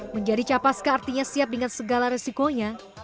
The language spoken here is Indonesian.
menjadi capaska artinya siap dengan segala resikonya